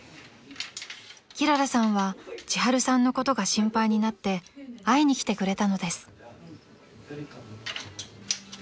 ［きららさんはちはるさんのことが心配になって会いに来てくれたのです］